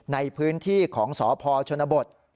ในพื้นที่ของสพชนบท